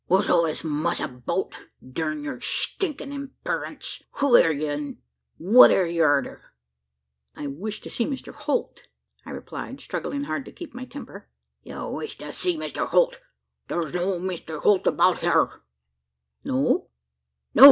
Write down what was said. "What's all this muss about? Durn yur stinkin' imperence, who air ye? an' what air ye arter?" "I wish to see Mr Holt," I replied, struggling hard to keep my temper. "Ye wish to see Mister Holt? Thur's no Mister Holt 'bout hyur." "No?" "No!